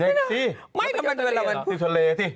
เด็กสิไม่เป็นวันพูดทะเลสิ